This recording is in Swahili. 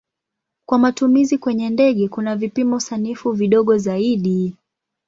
Kwa matumizi kwenye ndege kuna vipimo sanifu vidogo zaidi.